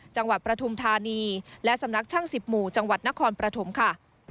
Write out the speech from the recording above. จังหวัดประธุมธานีและสำนักช่างสิบหมู่จังหวัดนครประธมค่ะ